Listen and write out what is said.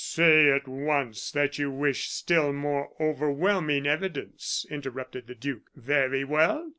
"Say at once that you wish still more overwhelming evidence," interrupted the duke. "Very well!